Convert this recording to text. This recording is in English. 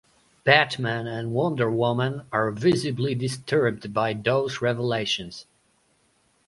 Batman and Wonder Woman are visibly disturbed by those revelations.